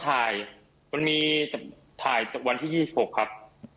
ถ่ายมันมีถ่ายจากวันที่๒๖ครับ